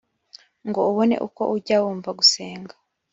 ngo ubone uko ujya wumva gusenga